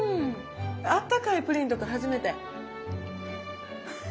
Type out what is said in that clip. あったかいプリンとか初めて。